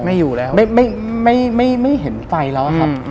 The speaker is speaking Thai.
ไม่อยู่แล้วไม่ไม่เห็นไฟแล้วครับ